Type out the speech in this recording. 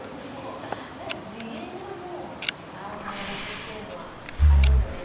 何か次元がもう違う感じっていうのはありますよね。